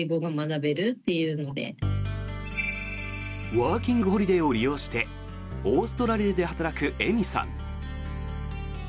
ワーキングホリデーを利用してオーストラリアで働くエミさん。